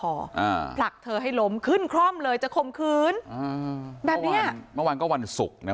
อ่าผลักเธอให้ล้มขึ้นคล่อมเลยจะข่มขืนอ่าแบบเนี้ยเมื่อวานก็วันศุกร์นะ